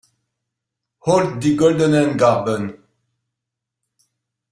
Holt die goldenen Garben!